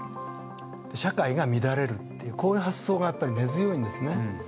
社会が乱れるっていうこういう発想がやっぱり根強いんですね。